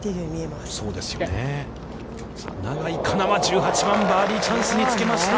さあ永井花奈は１８番、バーディーチャンスにつけました。